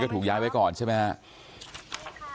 เชิงชู้สาวกับผอโรงเรียนคนนี้